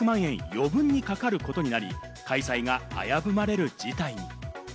余分にかかることになり、開催が危ぶまれる事態に。